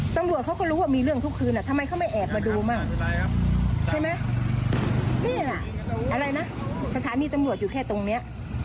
ตำรวจเขาก็รู้ว่ามีเรื่องทุกคืนทำไมเขาไม่แอบมาดูมั่งใช่ไหมนี่น่ะอะไรนะสถานีตำรวจอยู่แค่ตรงนี้